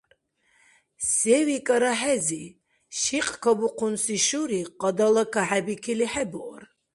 Се викӀара хӀези? Шикькабухъунси шури къадала кахӀебикили хӀебуар.